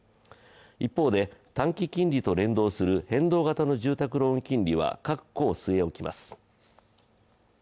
一方で短期金利と連動する変動型の住宅ローン金利は各行据え置きます。